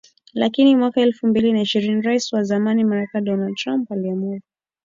Lakini mwaka elfu mbili na ishini Rais wa zamani Marekani Donald Trump aliamuru